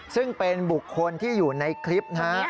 ซึ่งเป็นบุคคลที่อยู่ในคลิปนะฮะ